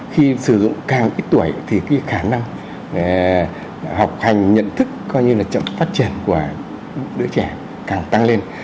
khi sử dụng càng ít tuổi thì cái khả năng học hành nhận thức coi như là chậm phát triển của đứa trẻ càng tăng lên